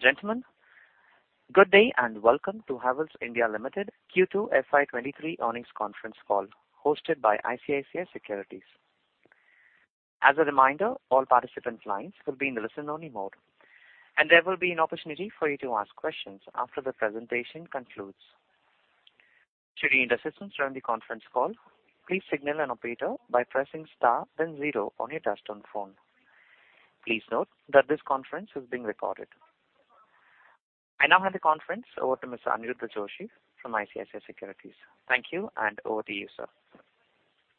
Ladies and gentlemen, good day and welcome to Havells India Limited Q2 FY23 earnings conference call hosted by ICICI Securities. As a reminder, all participant lines will be in the listen-only mode, and there will be an opportunity for you to ask questions after the presentation concludes. Should you need assistance during the conference call, please signal an operator by pressing star then zero on your touchtone phone. Please note that this conference is being recorded. I now hand the conference over to Mr. Aniruddha Joshi from ICICI Securities. Thank you, and over to you, sir.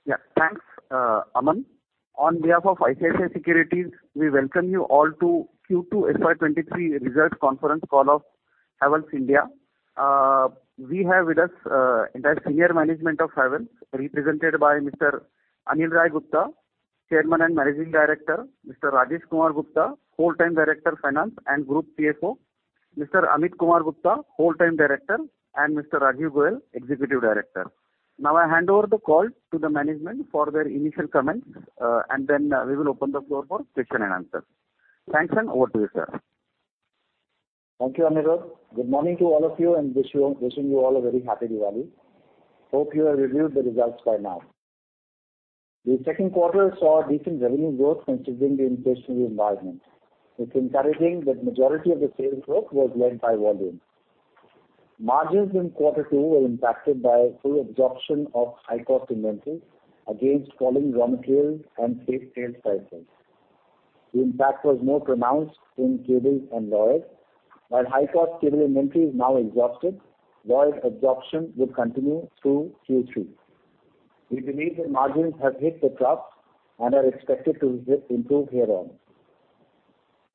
Yeah. Thanks, Aman. On behalf of ICICI Securities, we welcome you all to Q2 FY23 results conference call of Havells India. We have with us entire senior management of Havells, represented by Mr. Anil Rai Gupta, Chairman and Managing Director, Mr. Rajesh Kumar Gupta, Full-time Director Finance and Group CFO, Mr. Ameet Kumar Gupta, Full-time Director, and Mr. Rajiv Goel, Executive Director. Now, I hand over the call to the management for their initial comments, and then we will open the floor for question and answer. Thanks, and over to you, sir. Thank you, Aniruddha. Good morning to all of you, wishing you all a very happy Diwali. Hope you have reviewed the results by now. The second quarter saw decent revenue growth considering the inflationary environment. It's encouraging that majority of the sales growth was led by volume. Margins in quarter two were impacted by full absorption of high-cost inventory against falling raw materials and stale sales prices. The impact was more pronounced in cables and Lloyd. While high-cost cable inventory is now exhausted, Lloyd absorption will continue through Q3. We believe that margins have hit the trough and are expected to improve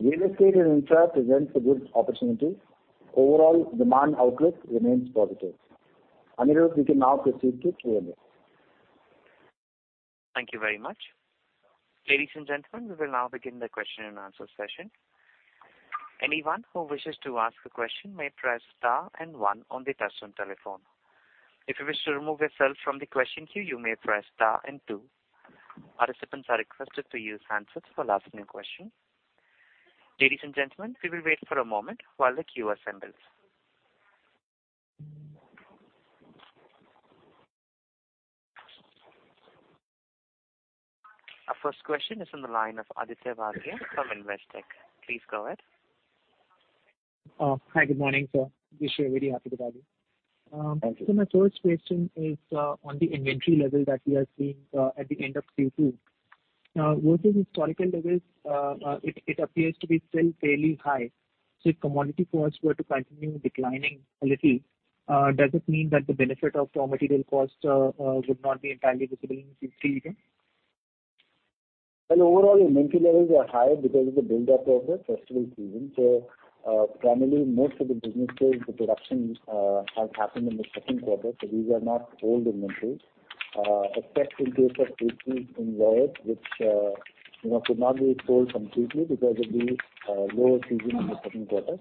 hereon. Real estate and infra presents a good opportunity. Overall demand outlook remains positive. Aniruddha, we can now proceed to Q&A. Thank you very much. Ladies and gentlemen, we will now begin the question and answer session. Anyone who wishes to ask a question may press star and one on their touchtone telephone. If you wish to remove yourself from the question queue, you may press star and two. Participants are requested to use handsets for asking a question. Ladies and gentlemen, we will wait for a moment while the queue assembles. Our first question is on the line of Aditya Bhargava from Investec. Please go ahead. Hi, good morning, sir. Wish you a very happy Diwali. My first question is on the inventory level that we are seeing at the end of Q2. With the historical levels, it appears to be still fairly high. If commodity costs were to continue declining a little, does it mean that the benefit of raw material costs would not be entirely visible in Q3 even? Well, overall inventory levels are higher because of the buildup of the festival season. Primarily most of the businesses, the production has happened in the second quarter, so these are not old inventories. Except in case of ACs in Lloyd, which, you know, could not be sold completely because of the low season in the second quarter.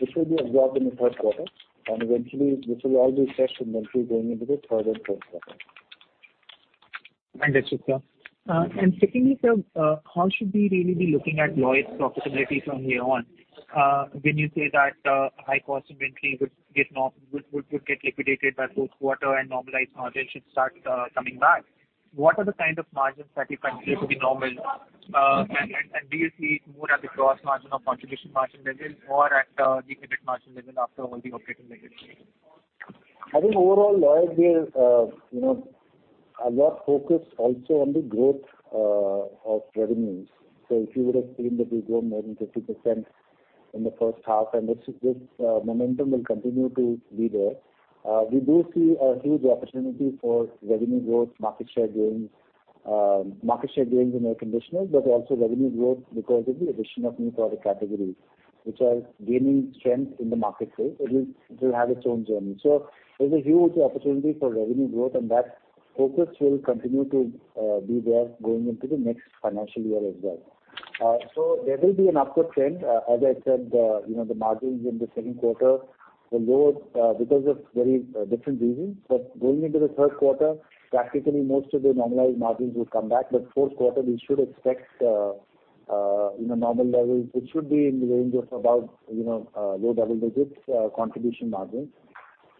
This will be absorbed in the third quarter, and eventually this will all be fresh inventory going into the third and fourth quarter. Understood, sir. Secondly, sir, how should we really be looking at Lloyd's profitability from here on? When you say that high-cost inventory would get liquidated by fourth quarter and normalized margins should start coming back, what are the kinds of margins that you consider to be normal? Do you see it more at the gross margin or contribution margin level or at the EBITDA margin level after all the operating leverage? I think overall Lloyd is, you know, a lot focused also on the growth of revenues. If you would have seen that we grew more than 50% in the first half, and this momentum will continue to be there. We do see a huge opportunity for revenue growth, market share gains in air conditioners, but also revenue growth because of the addition of new product categories which are gaining strength in the marketplace. It will have its own journey. There's a huge opportunity for revenue growth, and that focus will continue to be there going into the next financial year as well. There will be an upward trend. As I said, you know, the margins in the second quarter were low because of very different reasons. Going into the third quarter, practically most of the normalized margins will come back. Fourth quarter we should expect, you know, normal levels, which should be in the range of about, you know, low double digits contribution margins.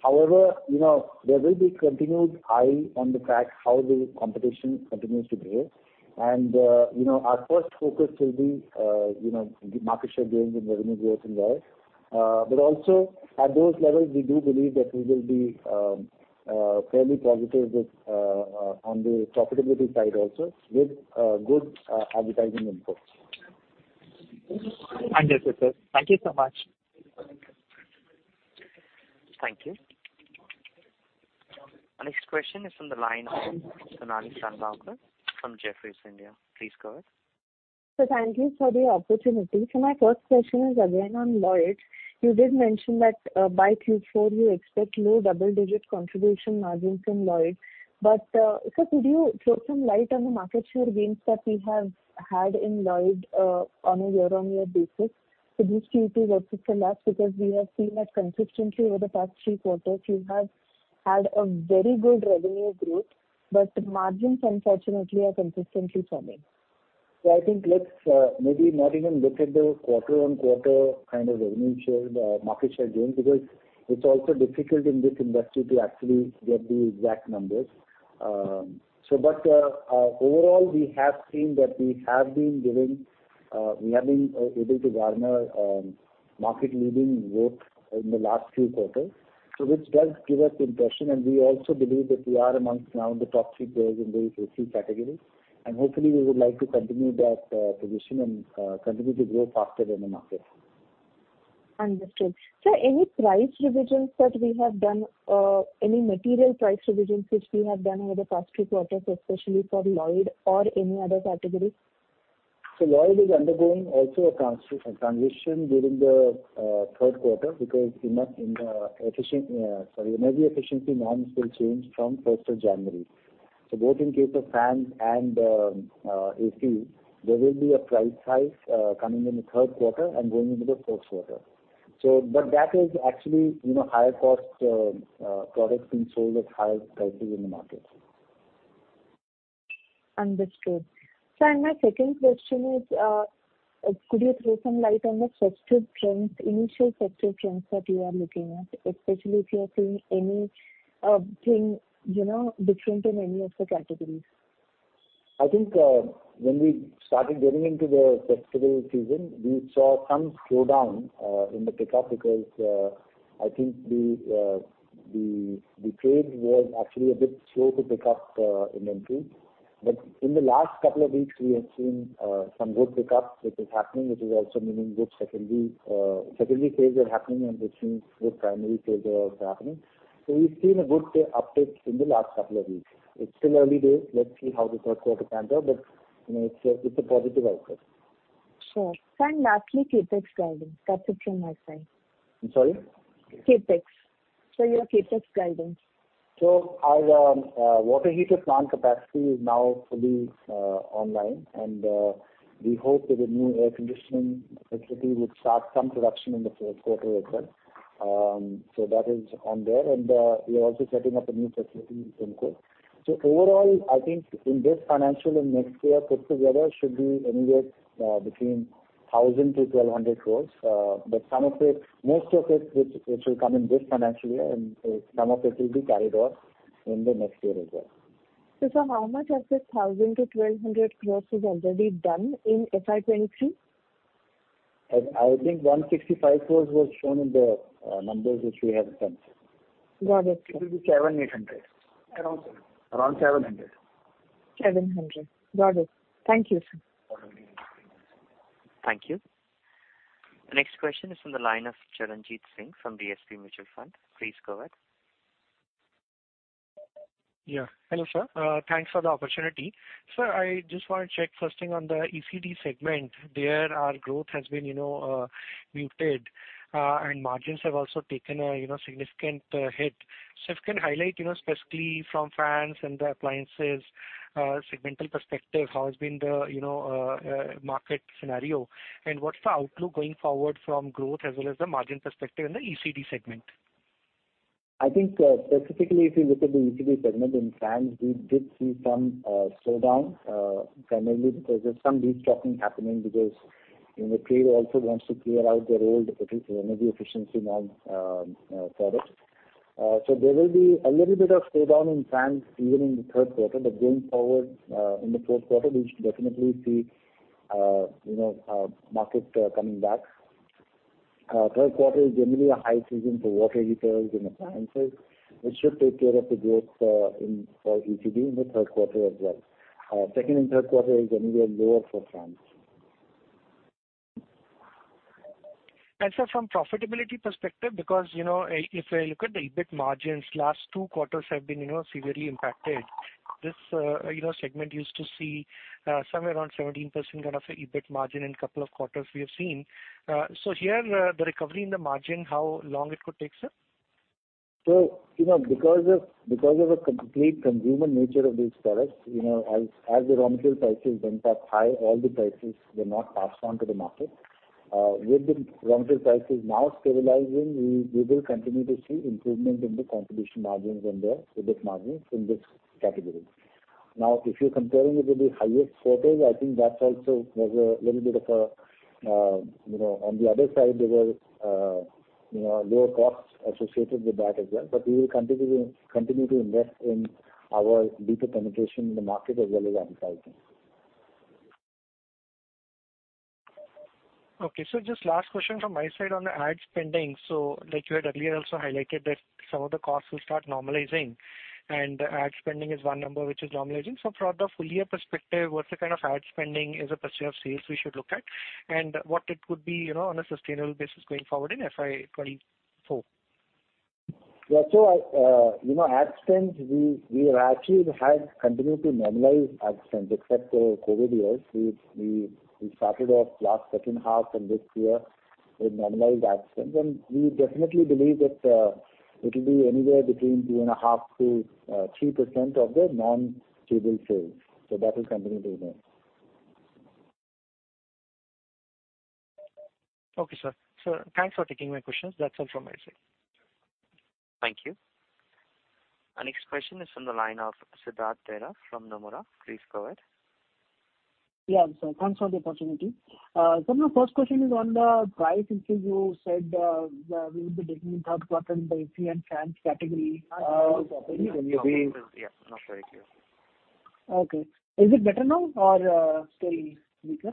However, you know, there will be continued eye on the fact how the competition continues to behave. Our first focus will be, you know, the market share gains and revenue growth in Lloyd. Also at those levels, we do believe that we will be fairly positive with on the profitability side also with good advertising inputs. Understood, sir. Thank you so much. Thank you. Our next question is from the line of Sonali Salgaonkar from Jefferies India. Please go ahead. Sir, thank you for the opportunity. My first question is again on Lloyd. You did mention that by Q4 you expect low double-digit contribution margins from Lloyd. Sir, could you throw some light on the market share gains that we have had in Lloyd on a year-on-year basis? This Q2 versus the last, because we have seen that consistently over the past three quarters you have had a very good revenue growth, but margins unfortunately are consistently falling. I think let's maybe not even look at the quarter-on-quarter kind of revenue share, the market share gains, because it's also difficult in this industry to actually get the exact numbers. Overall, we have seen that we have been able to garner market leading growth in the last few quarters, which does give us impression, and we also believe that we are amongst now the top three players in those AC categories. Hopefully we would like to continue that position and continue to grow faster than the market. Understood. Any price revisions that we have done, any material price revisions which we have done over the past few quarters, especially for Lloyd or any other category? Lloyd is undergoing also a transition during the third quarter because energy efficiency norms will change from first of January. Both in case of fans and AC, there will be a price hike coming in the third quarter and going into the fourth quarter. But that is actually, you know, higher cost products being sold at higher prices in the market. Understood. Sir, my second question is, could you throw some light on the festive trends, initial festive trends that you are looking at, especially if you are seeing anything, you know, different in any of the categories? I think when we started getting into the festival season, we saw some slowdown in the pickup because I think the trade was actually a bit slow to pick up in inventory. In the last couple of weeks, we have seen some good pickup, which is happening, which is also meaning good secondary sales are happening and which means good primary sales are also happening. We've seen a good uptake in the last couple of weeks. It's still early days. Let's see how the third quarter pans out. You know, it's a positive outlook. Sure. Lastly, CapEx guidance. That's it from my side. I'm sorry. CapEx. Your CapEx guidance. Our water heater plant capacity is now fully online, and we hope that the new air conditioning facility would start some production in the fourth quarter as well. That is on there. We are also setting up a new facility in Sriperumbudur. Overall, I think in this financial year and next year put together should be anywhere between 1,000 crore-1,200 crore. But some of it, most of it which will come in this financial year and some of it will be carried over in the next year as well. Sir, how much of the 1,000 crore-1,200 crore is already done in FY23? I think 165 crores was shown in the numbers which we have done. Got it. It will be 700-800. Around seven. Around 700. 700. Got it. Thank you, sir. Thank you. The next question is from the line of Charanjit Singh from DSP Mutual Fund. Please go ahead. Yeah. Hello, sir. Thanks for the opportunity. Sir, I just want to check first thing on the ECD segment. There our growth has been, you know, muted, and margins have also taken a, you know, significant hit. If you can highlight, you know, specifically from fans and the appliances, segmental perspective, how has been the, you know, market scenario? And what's the outlook going forward from growth as well as the margin perspective in the ECD segment? I think, specifically if you look at the ECD segment in fans, we did see some slowdown, primarily because there's some de-stocking happening because, you know, trade also wants to clear out their old BEE norms products. So there will be a little bit of slowdown in fans even in the third quarter. Going forward, in the fourth quarter, we should definitely see, you know, market coming back. Third quarter is generally a high season for water heaters and appliances, which should take care of the growth in ECD in the third quarter as well. Second and third quarter is generally lower for fans. Sir, from profitability perspective, because, you know, if I look at the EBIT margins, last two quarters have been, you know, severely impacted. This, you know, segment used to see, somewhere around 17% kind of a EBIT margin in couple of quarters we have seen. Here, the recovery in the margin, how long it could take, sir? You know, because of a complete consumer nature of these products, you know, as the raw material prices went up high, all the prices were not passed on to the market. With the raw material prices now stabilizing, we will continue to see improvement in the contribution margins and the EBIT margins in this category. Now, if you're comparing it with the highest quarters, I think that also was a little bit of a, you know, on the other side, there were, you know, lower costs associated with that as well. We will continue to invest in our deeper penetration in the market as well as advertising. Okay. Just last question from my side on the ad spending. Like you had earlier also highlighted that some of the costs will start normalizing and ad spending is one number which is normalizing. Throughout the full year perspective, what's the kind of ad spending as a % of sales we should look at and what it could be, you know, on a sustainable basis going forward in FY24? Yeah. You know, ad spend, we have actually continued to normalize ad spend except for COVID years. We started off last second half and this year with normalized ad spend. We definitely believe that it'll be anywhere between 2.5%-3% of the non-Lloyd sales. That is something to note. Okay, sir. Thanks for taking my questions. That's all from my side. Thank you. Our next question is from the line of Siddharth Deora from Nomura. Please go ahead. Yeah. Thanks for the opportunity. My first question is on the price increase you said will be taking in third quarter in the AC and fans category. Yes, not very clear. Okay. Is it better now or still weaker?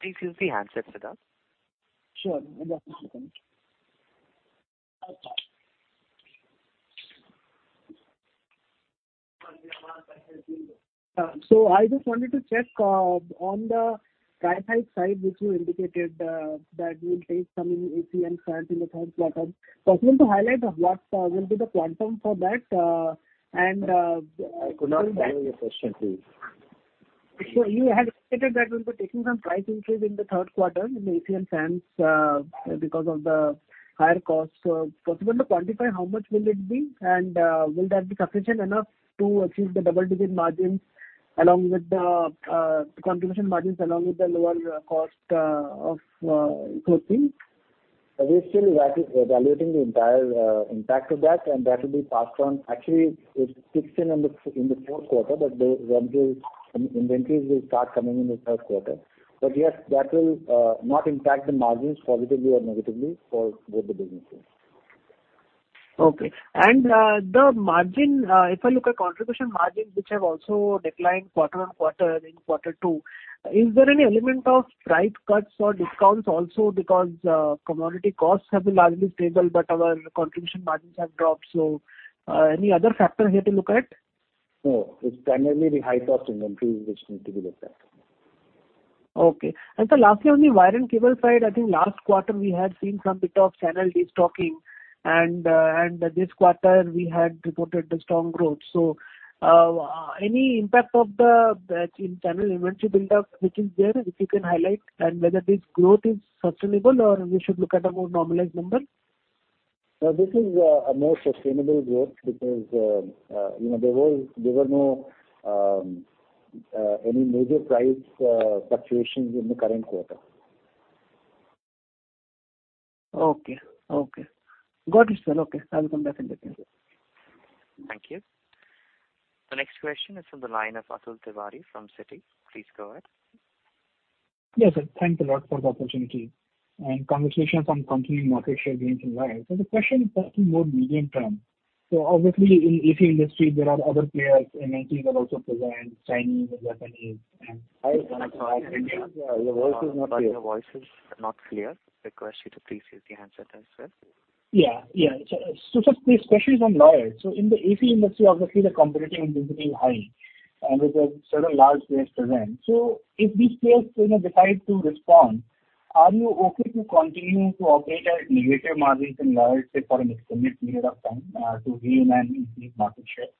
Please use the handset, Siddharth. Sure. One second. I just wanted to check on the price hike side, which you indicated that you will take some in AC and fans in the third quarter. Possible to highlight what will be the quantum for that, and I could not hear your question, please. You had stated that you will be taking some price increase in the third quarter in the AC and fans, because of the higher costs. Possible to quantify how much will it be? Will that be sufficient enough to achieve the double-digit margins along with the contribution margins, along with the lower cost of input materials? We're still evaluating the entire impact of that, and that will be passed on. Actually, it kicks in in the fourth quarter, but the revenues and inventories will start coming in the third quarter. Yes, that will not impact the margins positively or negatively for both the businesses. The margin, if I look at contribution margins, which have also declined quarter-on-quarter in quarter two, is there any element of price cuts or discounts also because commodity costs have been largely stable, but our contribution margins have dropped? Any other factor here to look at? No, it's primarily the high-cost inventories which need to be looked at. Okay. Sir, lastly, on the wire and cable side, I think last quarter we had seen some bit of channel destocking and this quarter we had reported the strong growth. Any impact of the in channel inventory buildup which is there, if you can highlight, and whether this growth is sustainable or we should look at a more normalized number? This is a more sustainable growth because, you know, there were no any major price fluctuations in the current quarter. Okay. Got it, sir. Okay. I will come back and get to you, sir. Thank you. The next question is from the line of Atul Tiwari from Citi. Please go ahead. Yes, sir. Thank you a lot for the opportunity. Congratulations on continuing market share gains in wires. The question is actually more medium term. Obviously in AC industry there are other players. MNCs are also present, Chinese and Japanese. Hi, Atul. I can't hear. Yeah. Your voice is not clear. Atul, your voice is not clear. Request you to please use the handset as well. Yeah. Sir, the question is on wires. In the AC industry, obviously the competitive intensity is high, and there are certain large players present. If these players, you know, decide to respond, are you okay to continue to operate at negative margins in wires, say, for an extended period of time, to gain and increase market share?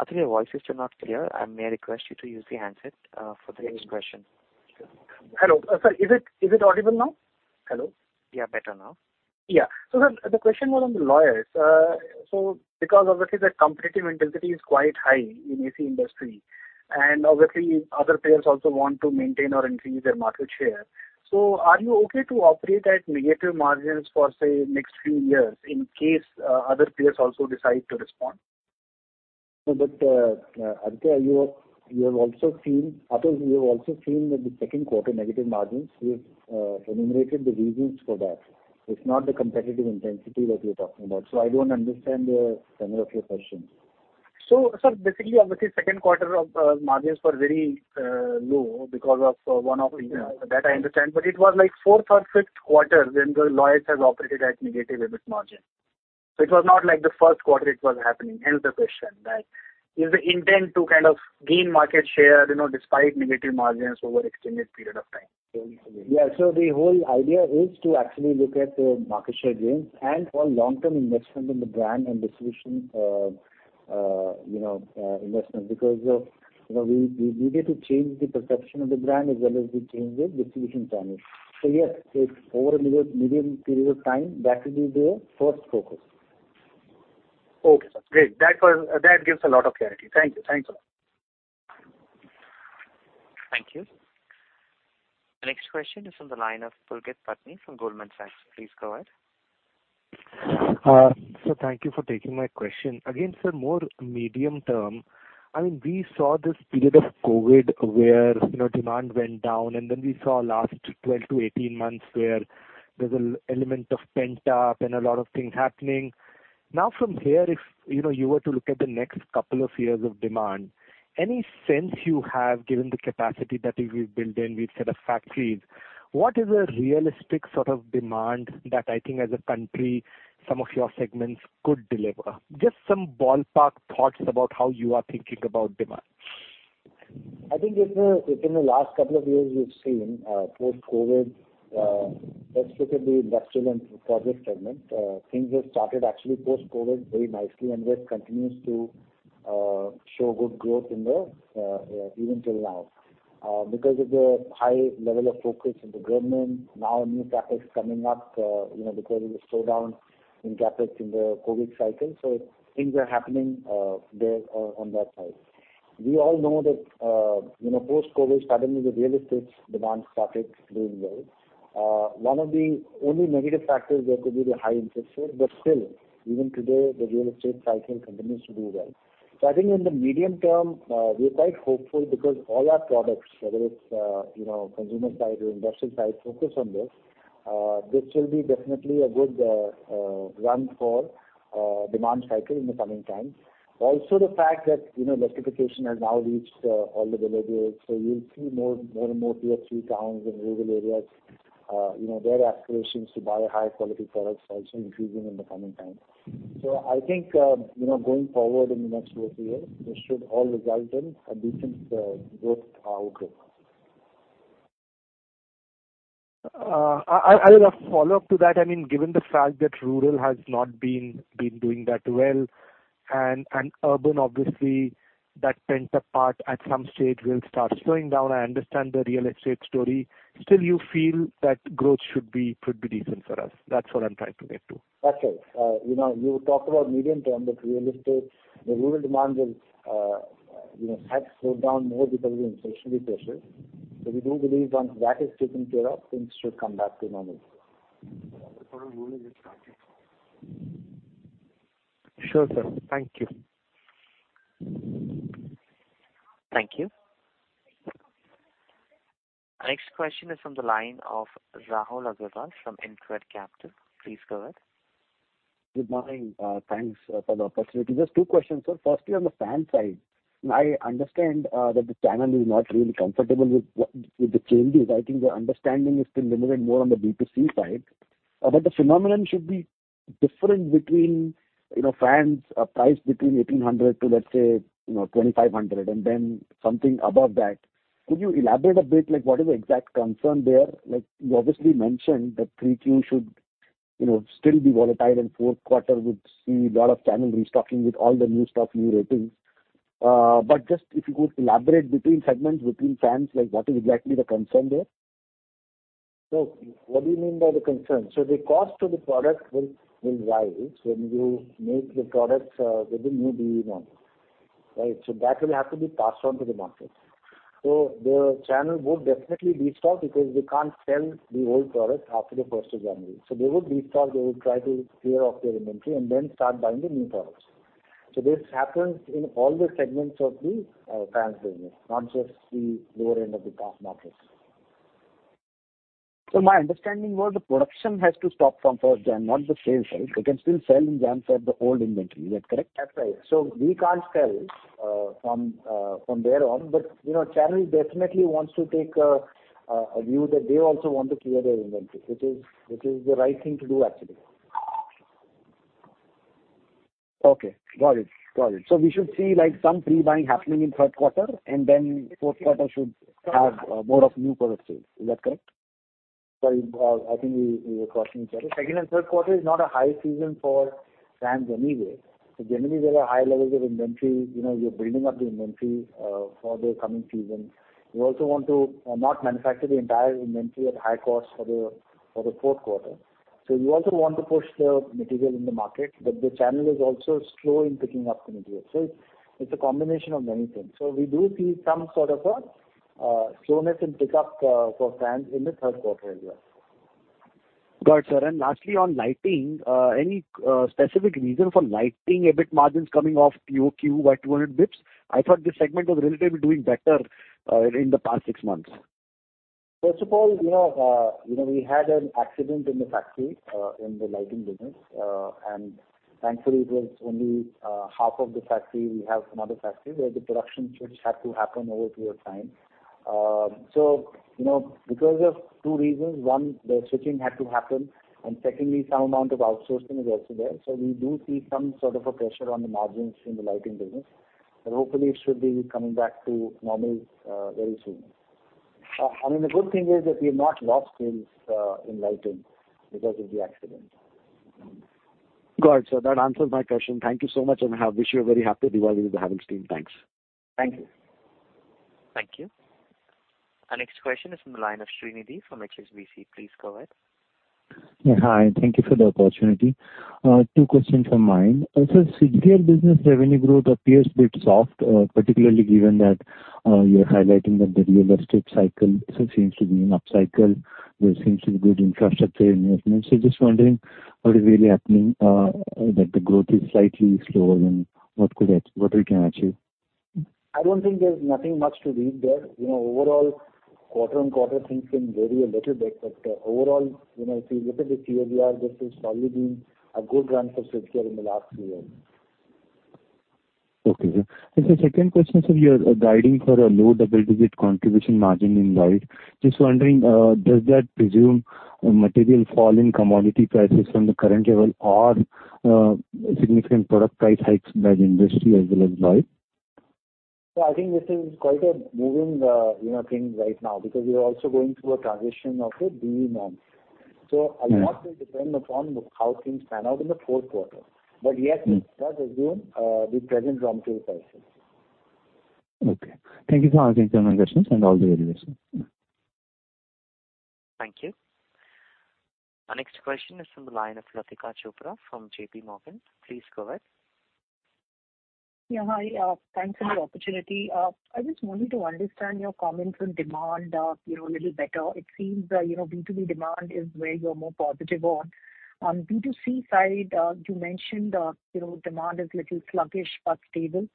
Atul, your voice is still not clear. I may request you to use the handset for the next question. Hello. Sir, is it audible now? Hello? Yeah, better now. Yeah. The question was on the wires. Because obviously the competitive intensity is quite high in AC industry, and obviously other players also want to maintain or increase their market share. Are you okay to operate at negative margins for, say, next few years in case other players also decide to respond? No, but, Atul, you have also seen that the second quarter negative margins, we've enumerated the reasons for that. It's not the competitive intensity that you're talking about. I don't understand the tenor of your question. Sir, basically, obviously second quarter of margins were very low because of one-off events. That I understand. It was like fourth or fifth quarter when the wires has operated at negative EBIT margin. It was not like the first quarter it was happening, hence the question that is the intent to kind of gain market share, you know, despite negative margins over extended period of time. Yeah. The whole idea is to actually look at the market share gains and for long-term investment in the brand and distribution, you know, investment because of, you know, we needed to change the perception of the brand as well as we change the distribution channels. Yes, it's over a medium period of time, that will be the first focus. Okay, sir. Great. That gives a lot of clarity. Thank you. Thanks a lot. Thank you. The next question is from the line of Pulkit Patni from Goldman Sachs. Please go ahead. Sir, thank you for taking my question. Again, sir, more medium term, I mean, we saw this period of COVID where, you know, demand went down, and then we saw last 12-18 months where there's an element of pent up and a lot of things happening. Now from here, if, you know, you were to look at the next couple of years of demand, any sense you have, given the capacity that you've built in, we've set up factories, what is a realistic sort of demand that I think as a country some of your segments could deliver? Just some ballpark thoughts about how you are thinking about demand. I think in the last couple of years we've seen post-COVID especially the industrial and project segment things have started actually post-COVID very nicely and which continues to show good growth in the interim even till now because of the high level of focus of the government. Now new CapEx coming up you know because of the slowdown in CapEx in the COVID cycle. Things are happening there on that side. We all know that you know post-COVID suddenly the real estate demand started doing well. One of the only negative factors there could be the high interest rates, but still, even today, the real estate cycle continues to do well. I think in the medium term, we're quite hopeful because all our products, whether it's, you know, consumer side or industrial side, focus on this. This will be definitely a good run for demand cycle in the coming times. Also, the fact that, you know, electrification has now reached all the villages, so you'll see more and more tier three towns and rural areas, you know, their aspirations to buy higher quality products also increasing in the coming times. I think, you know, going forward in the next two or three years, this should all result in a decent growth outlook. I have a follow-up to that. I mean, given the fact that rural has not been doing that well and urban, obviously, that pent-up part at some stage will start slowing down. I understand the real estate story. Still, you feel that growth could be decent for us? That's what I'm trying to get to. That's right. You know, you talked about medium term, but real estate, the rural demand will, you know, have slowed down more because of the inflationary pressures. We do believe once that is taken care of, things should come back to normal for rural as well. Sure, sir. Thank you. Thank you. Our next question is from the line of Rahul Agarwal from InCred Capital. Please go ahead. Good morning. Thanks for the opportunity. Just two questions, sir. Firstly, on the fan side, I understand that the channel is not really comfortable with the changes. I think the understanding is still limited more on the B2C side. The phenomenon should be different between, you know, fans priced between 1800 to, let's say, you know, 2500, and then something above that. Could you elaborate a bit, like, what is the exact concern there? Like, you obviously mentioned that Q3 should, you know, still be volatile and fourth quarter would see a lot of channel restocking with all the new stuff, new ratings. Just if you could elaborate between segments, between fans, like what is exactly the concern there? So what do you mean by the concern? The cost of the product will rise when you make the products with the new BEE norms, right? That will have to be passed on to the market. The channel would definitely destock because they can't sell the old product after the first of January. They would destock, they would try to clear off their inventory and then start buying the new products. This happens in all the segments of the fans business, not just the lower end of the cost markets. My understanding was the production has to stop from first January, not the sales, right? They can still sell in January for the old inventory. Is that correct? That's right. We can't sell from there on. You know, channel definitely wants to take a view that they also want to clear their inventory, which is the right thing to do actually. Okay, got it. We should see, like, some pre-buying happening in third quarter, and then fourth quarter should have more of new product sales. Is that correct? Sorry, I think we were crossing each other. Second and third quarter is not a high season for fans anyway. Generally, there are high levels of inventory. You know, you're building up the inventory for the coming season. You also want to not manufacture the entire inventory at high cost for the fourth quarter. You also want to push the material in the market, but the channel is also slow in picking up the material. It's a combination of many things. We do see some sort of a slowness in pickup for fans in the third quarter as well. Got it, sir. Lastly, on lighting, any specific reason for lighting EBIT margins coming off QOQ by 200 basis points? I thought this segment was relatively doing better in the past six months. First of all, you know, we had an accident in the factory in the lighting business. And thankfully, it was only half of the factory. We have some other factories where the production should have to happen over a period of time. You know, because of two reasons. One, the switching had to happen, and secondly, some amount of outsourcing is also there. We do see some sort of a pressure on the margins in the lighting business. Hopefully it should be coming back to normal, very soon. I mean, the good thing is that we have not lost sales in lighting because of the accident. Got it, sir. That answers my question. Thank you so much, and I wish you a very happy Diwali with the Havells team. Thanks. Thank you. Thank you. Our next question is from the line of Srinidhi S from HSBC. Please go ahead. Yeah, hi. Thank you for the opportunity. Two questions from my end. Sir, Switchgear business revenue growth appears a bit soft, particularly given that you're highlighting that the real estate cycle also seems to be an upcycle. There seems to be good infrastructure investment. Just wondering what is really happening, that the growth is slightly slower than what we can achieve. I don't think there's nothing much to read there. You know, overall, quarter-on-quarter things can vary a little bit. Overall, you know, if you look at the CAGR, this has probably been a good run for Switchgear in the last few years. Okay, sir. Sir, second question, sir. You're guiding for a low double-digit contribution margin in Lloyd. Just wondering, does that presume a material fall in commodity prices from the current level or, significant product price hikes by the industry as well as Lloyd? I think this is quite a moving, you know, thing right now because we are also going through a transition of the BEE norms. Mm-hmm. A lot will depend upon how things pan out in the fourth quarter. Yes, it does assume the present raw material prices. Okay. Thank you for answering some of my questions and all the very best, sir. Thank you. Our next question is from the line of Latika Chopra from JP Morgan. Please go ahead. Yeah. Hi, thanks for the opportunity. I just wanted to understand your comments on demand, you know, a little better. It seems, you know, B2B demand is where you're more positive on. B2C side, you mentioned, you know, demand is little sluggish but stable.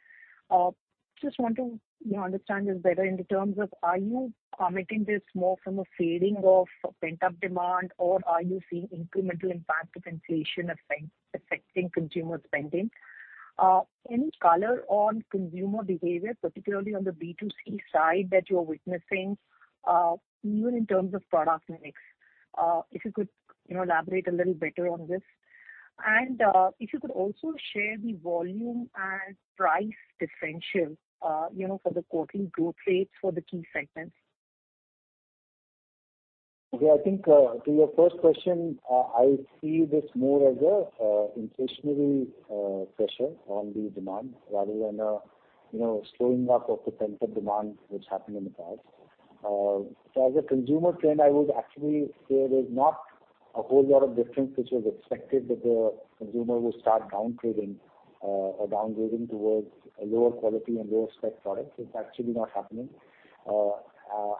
Just want to, you know, understand this better in the terms of are you commenting this more from a fading of pent-up demand or are you seeing incremental impact of inflation affecting consumer spending? Any color on consumer behavior, particularly on the B2C side that you're witnessing, even in terms of product mix? If you could, you know, elaborate a little better on this. If you could also share the volume and price differential, you know, for the quarterly growth rates for the key segments. Yeah, I think to your first question, I see this more as an inflationary pressure on the demand rather than a you know slowing up of the pent-up demand which happened in the past. As a consumer trend, I would actually say there's not a whole lot of difference which was expected that the consumer will start downtrading or downgrading towards a lower quality and lower spec product. It's actually not happening.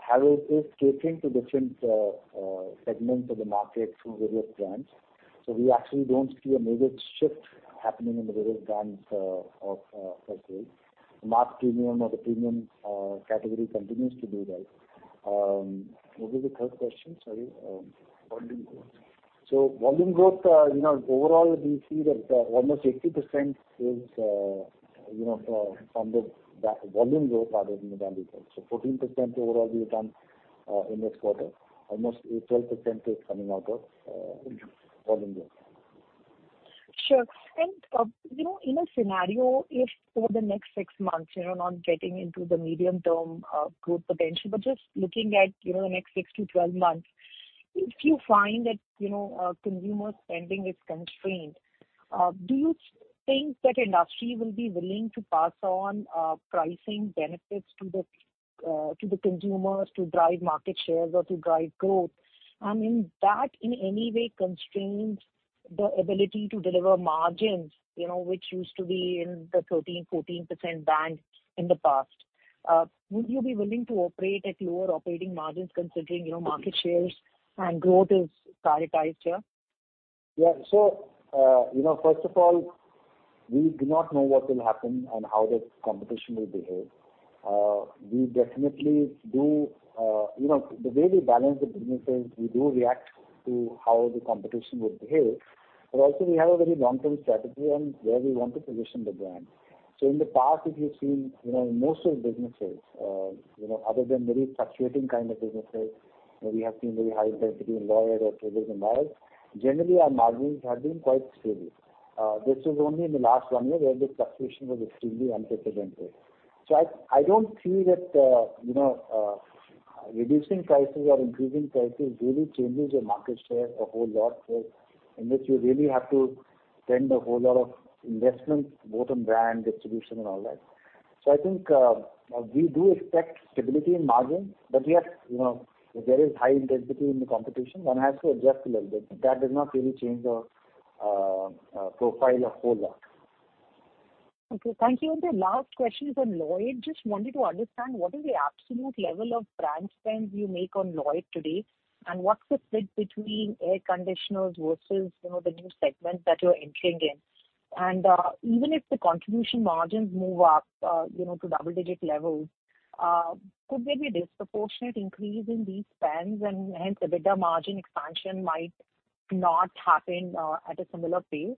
Havells is catering to different segments of the market through various brands. We actually don't see a major shift happening in the various brands per se. The mass premium or the premium category continues to do well. What was the third question? Sorry. Volume growth. Volume growth, you know, overall we see that, almost 80% is, you know, from the volume growth rather than the value growth. Fourteen percent overall we've done, in this quarter. Almost 12% is coming out of, volume growth. Sure. You know, in a scenario, if for the next six months, you know, not getting into the medium-term growth potential, but just looking at, you know, next six to 12 months, if you find that, you know, consumer spending is constrained, do you think that industry will be willing to pass on pricing benefits to the consumers to drive market shares or to drive growth? I mean, that in any way constrains the ability to deliver margins, you know, which used to be in the 13%-14% band in the past. Would you be willing to operate at lower operating margins considering, you know, market shares and growth is prioritized here? Yeah. You know, first of all, we do not know what will happen and how the competition will behave. We definitely do, you know, the way we balance the businesses, we do react to how the competition would behave. Also we have a very long-term strategy on where we want to position the brand. In the past, if you've seen, you know, most of the businesses, you know, other than very fluctuating kind of businesses where we have seen very high intensity in Lloyd or television models, generally our margins have been quite stable. This was only in the last one year where the fluctuation was extremely unprecedented. I don't feel that, you know, reducing prices or increasing prices really changes your market share a whole lot, so in which you really have to spend a whole lot of investment both on brand distribution and all that. I think we do expect stability in margin, but we have, you know, if there is high intensity in the competition, one has to adjust a little bit. That does not really change the profile a whole lot. Okay, thank you. The last question is on Lloyd. Just wanted to understand what is the absolute level of brand spend you make on Lloyd today, and what's the split between air conditioners versus, you know, the new segment that you're entering in? Even if the contribution margins move up, you know, to double-digit levels, could there be a disproportionate increase in these spends and hence the EBITDA margin expansion might not happen at a similar pace?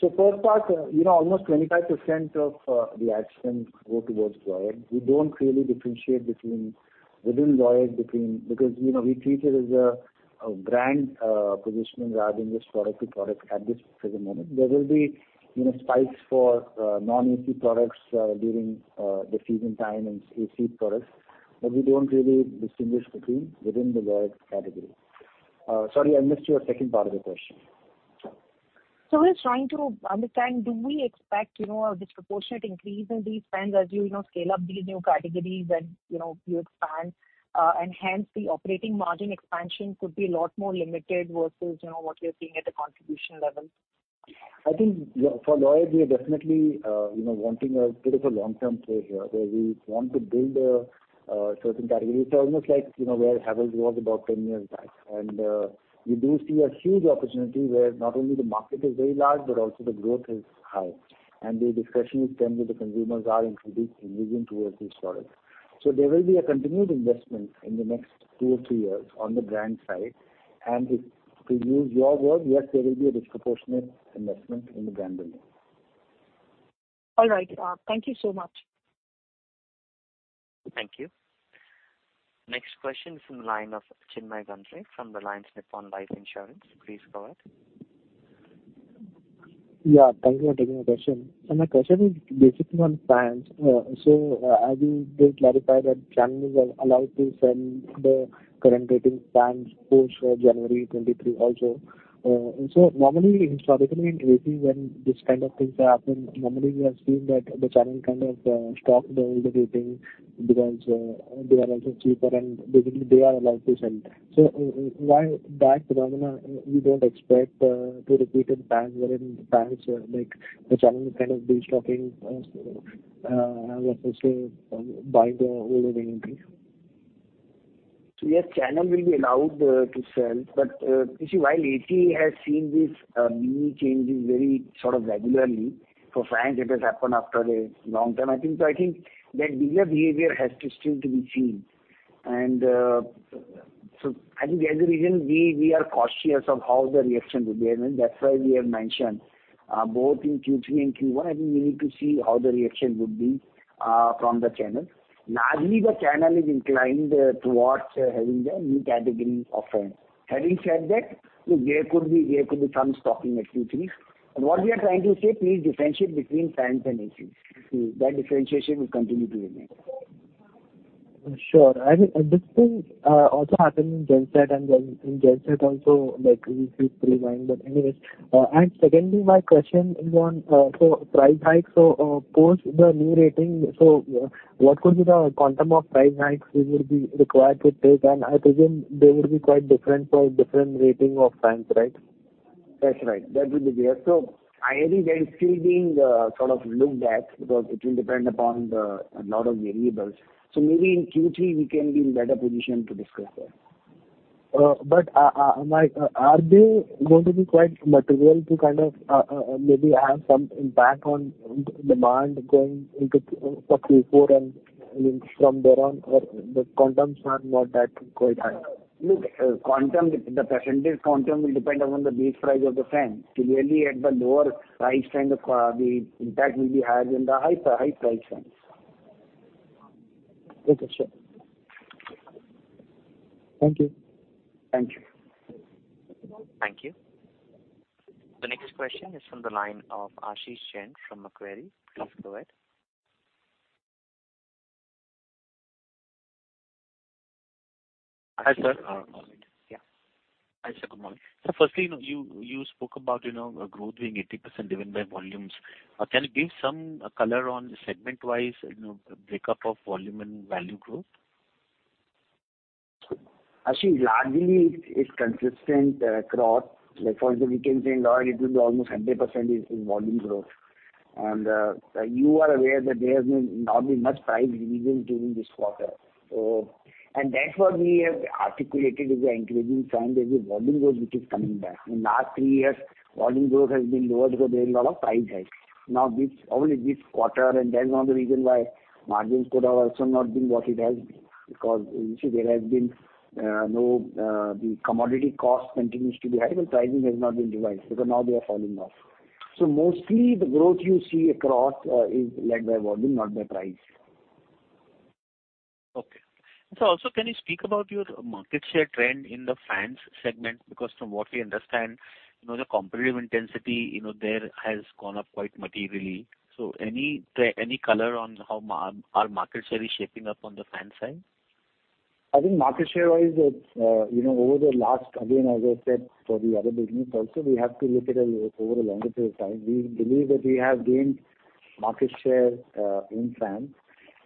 First part, you know, almost 25% of the ad spend go towards Lloyd. We don't really differentiate within Lloyd. Because, you know, we treat it as a brand positioning rather than just product to product at this present moment. There will be, you know, spikes for non-AC products during the season time and AC products. But we don't really distinguish within the Lloyd category. Sorry, I missed your second part of the question. We're trying to understand, do we expect, you know, a disproportionate increase in these spends as you know, scale up these new categories and, you know, you expand, and hence the operating margin expansion could be a lot more limited versus, you know, what we're seeing at the contribution level? I think for Lloyd, we are definitely, you know, wanting a bit of a long-term play here, where we want to build a certain category. It's almost like, you know, where Havells was about 10 years back. We do see a huge opportunity where not only the market is very large, but also the growth is high. The discussions then with the consumers are indeed moving towards these products. There will be a continued investment in the next two or three years on the brand side. If to use your word, yes, there will be a disproportionate investment in the brand building. All right. Thank you so much. Thank you. Next question is from the line of Chinmay Ganatra from Reliance Nippon Life Insurance. Please go ahead. Yeah. Thank you for taking my question. My question is basically on fans. As you did clarify that channels are allowed to sell the current rating fans post January 2023 also. Normally historically in AC when these kind of things happen, normally we have seen that the channel kind of stock the older rating because they are also cheaper and basically they are allowed to sell. While that phenomena we don't expect to repeat in fans wherein the fans like the channel kind of de-stocking as opposed to buying the older rating. Yes, channel will be allowed to sell. You see, while AC has seen these many changes very sort of regularly, for fans it has happened after a long time I think. I think that dealer behavior has still to be seen. I think as a reason we are cautious of how the reaction would be. I mean, that's why we have mentioned both in Q3 and Q1. I think we need to see how the reaction would be from the channel. Largely the channel is inclined towards having the new category of fans. Having said that, look, there could be some stocking at Q3. What we are trying to say, please differentiate between fans and AC. You see, that differentiation will continue to remain. Sure. I mean, this thing also happened in genset and in genset also, like we see pre-monsoon. Anyways. Secondly my question is on price hike. Post the new rating, what could be the quantum of price hikes which would be required to take? I presume they would be quite different for different rating of fans, right? That's right. That will be there. I think that is still being, sort of looked at because it will depend upon the, a lot of variables. Maybe in Q3 we can be in better position to discuss that. Like, are they going to be quite material to kind of maybe have some impact on demand going into Q4 and, I mean, from there on, or the quantums are not quite that high? Look, quantum, the percentage quantum will depend upon the base price of the fan. Clearly at the lower price kind of, the impact will be higher than the high price fans. Okay, sure. Thank you. Thank you. Thank you. The next question is from the line of Ashish Jain from Macquarie. Please go ahead. Hi, sir. Yeah. Hi, sir. Good morning. Sir, firstly, you spoke about, you know, growth being 80% driven by volumes. Can you give some color on segment-wise, you know, breakup of volume and value growth? Ashish, largely it's consistent across. Like for example, we can say in Lloyd it will be almost 100% volume growth. You are aware that there has not been much price revisions during this quarter. That's what we have articulated as an encouraging sign. There is volume growth which is coming back. In last three years, volume growth has been lower because there is a lot of price hike. Now, only this quarter, and that's one of the reason why margins could have also not been what it has been. Because you see, the commodity cost continues to be high, but pricing has not been revised because now they are falling off. Mostly the growth you see across is led by volume, not by price. Okay. Also, can you speak about your market share trend in the fans segment? Because from what we understand, you know, the competitive intensity, you know, there has gone up quite materially. Any color on how our market share is shaping up on the fan side? I think market share-wise it's, you know, over the last, again, as I said for the other business also, we have to look at it over a longer period of time. We believe that we have gained market share, in fans,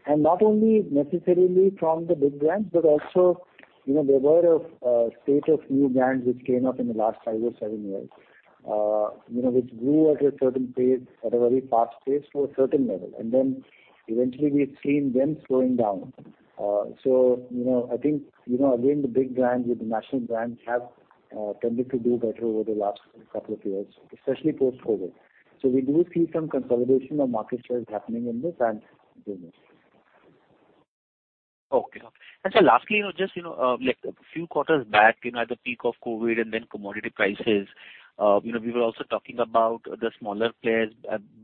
and not only necessarily from the big brands, but also, you know, there were a spate of new brands which came up in the last five or seven years. You know, which grew at a certain pace, at a very fast pace to a certain level, and then eventually we've seen them slowing down. You know, I think, you know, again, the big brands with the national brands have tended to do better over the last couple of years, especially post-COVID. We do see some consolidation of market shares happening in the fans business. Okay. Sir, lastly, you know, just, you know, like a few quarters back, you know, at the peak of COVID and then commodity prices, you know, we were also talking about the smaller players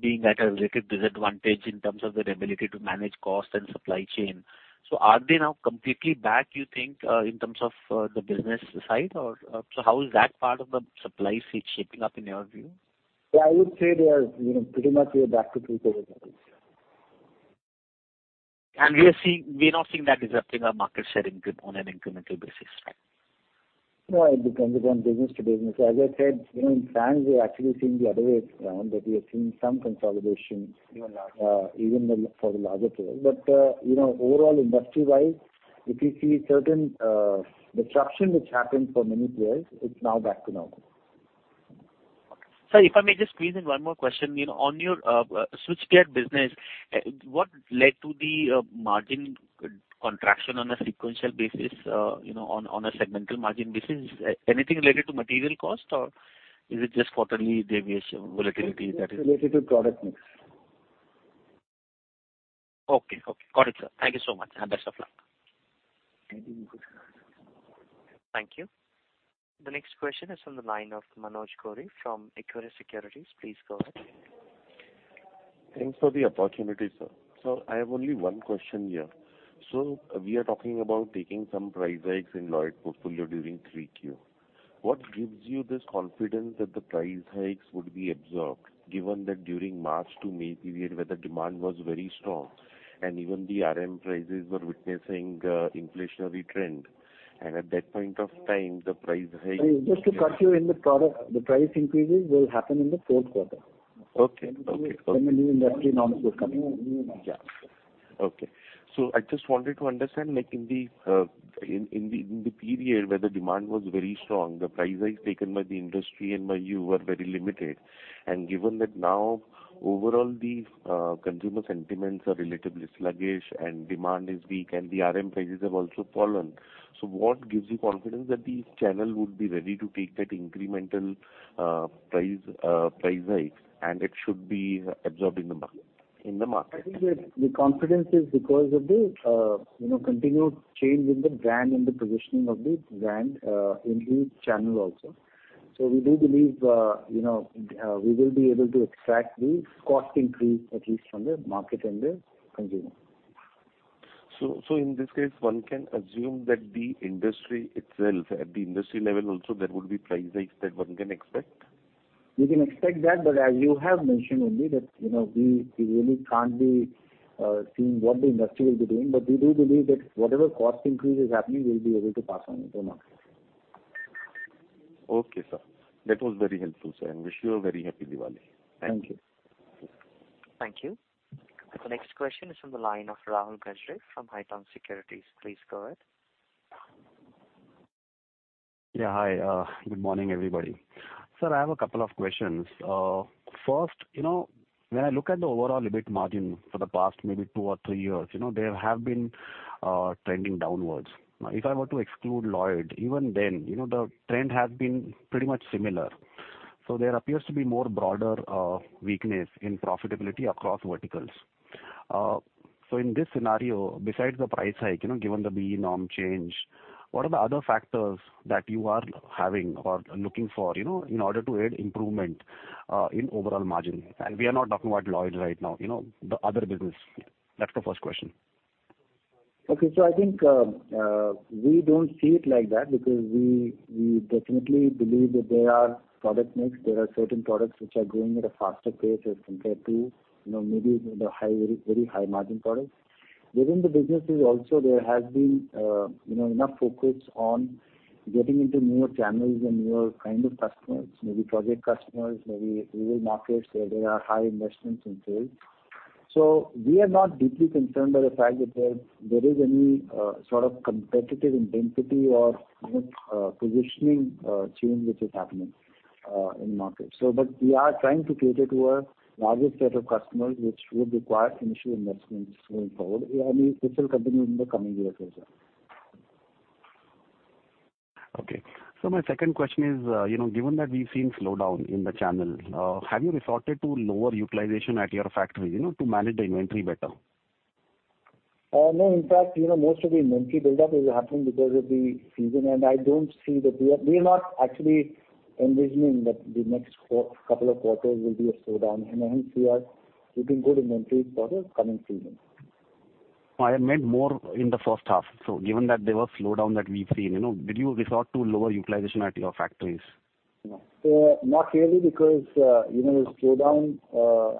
being at a relative disadvantage in terms of their ability to manage cost and supply chain. So are they now completely back, you think, in terms of the business side? Or, so how is that part of the supply chain shaping up in your view? Yeah, I would say they are, you know, pretty much. We are back to pre-COVID levels, yeah. We are not seeing that disrupting our market share on an incremental basis? No, it depends upon business to business. As I said, you know, in fans we are actually seeing the other way around, that we are seeing some consolidation. Even larger. For the larger players. You know, overall industry-wise, if you see certain disruption which happened for many players, it's now back to normal. Sir, if I may just squeeze in one more question. You know, on your switchgear business, what led to the margin contraction on a sequential basis? You know, on a segmental margin basis. Anything related to material cost, or is it just quarterly deviation, volatility that is? It's related to product mix. Okay. Okay. Got it, sir. Thank you so much, and best of luck. Thank you. Thank you. The next question is from the line of Manoj Gori from Equirus Securities. Please go ahead. Thanks for the opportunity, sir. I have only one question here. We are talking about taking some price hikes in Lloyd portfolio during Q3. What gives you this confidence that the price hikes would be absorbed, given that during March to May period, where the demand was very strong, and even the RM prices were witnessing inflationary trend, and at that point of time, the price hike Sorry, just to clue you in on the product, the price increases will happen in the fourth quarter. Okay. When the new industry norms are coming? Yeah. Okay. I just wanted to understand, like in the period where the demand was very strong, the price hikes taken by the industry and by you were very limited. Given that now overall the consumer sentiments are relatively sluggish and demand is weak and the RM prices have also fallen. What gives you confidence that the channel would be ready to take that incremental price hike, and it should be absorbed in the market? I think that the confidence is because of the, you know, continued change in the brand and the positioning of the brand, you know, we will be able to extract the cost increase, at least from the market and the consumer. in this case, one can assume that the industry itself, at the industry level also there would be price hikes that one can expect? You can expect that, but as you have mentioned only that, you know, we really can't be seeing what the industry will be doing. We do believe that whatever cost increase is happening, we'll be able to pass on in the market. Okay, sir. That was very helpful, sir, and wish you a very happy Diwali. Thank you. Thank you. Thank you. The next question is from the line of Rahul Gajare from Haitong Securities. Please go ahead. Yeah, hi. Good morning, everybody. Sir, I have a couple of questions. First, you know, when I look at the overall EBIT margin for the past maybe two or three years, you know, they have been trending downwards. Now, if I were to exclude Lloyd, even then, you know, the trend has been pretty much similar. So there appears to be more broader weakness in profitability across verticals. So in this scenario, besides the price hike, you know, given the BEE norm change, what are the other factors that you are having or looking for, you know, in order to aid improvement in overall margin? We are not talking about Lloyd right now, you know, the other business. That's the first question. Okay. I think we don't see it like that because we definitely believe that there are product mix, there are certain products which are growing at a faster pace as compared to, you know, maybe the high, very, very high margin products. Within the businesses also there has been, you know, enough focus on getting into newer channels and newer kind of customers, maybe project customers, maybe rural markets where there are high investments in sales. We are not deeply concerned by the fact that there is any sort of competitive intensity or, you know, positioning change which is happening in markets. But we are trying to cater to a larger set of customers which would require initial investments going forward. I mean, this will continue in the coming years as well. Okay. My second question is, you know, given that we've seen slowdown in the channel, have you resorted to lower utilization at your factories, you know, to manage the inventory better? No. In fact, you know, most of the inventory buildup is happening because of the season, and I don't see that. We are not actually envisioning that the next couple of quarters will be a slowdown. Hence we are keeping good inventories for the coming season. I meant more in the first half. Given that there was slowdown that we've seen, you know, did you resort to lower utilization at your factories? No, not really, because, you know, the slowdown